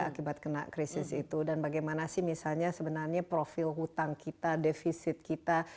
akibat kena krisis itu dan bagaimana sih misalnya sebenarnya profil hutang kita defisit kita